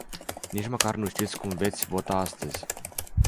Nici măcar nu știți cum veți vota astăzi.